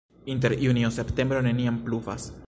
Inter junio-septembro neniam pluvas.